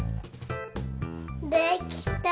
できた！